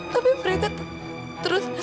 tapi mereka terus